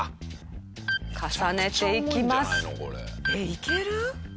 いける？